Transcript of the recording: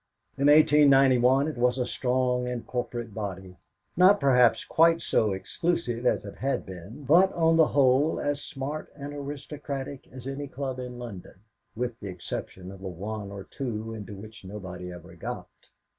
In 1891 it was a strong and corporate body, not perhaps quite so exclusive as it had been, but, on the whole, as smart and aristocratic as any club in London, with the exception of that one or two into which nobody ever got.